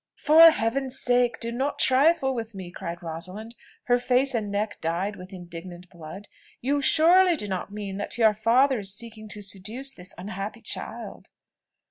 "For Heaven's sake do not trifle with me!" cried Rosalind, her face and neck dyed with indignant blood; "you surely do not mean that your father is seeking to seduce this unhappy child?"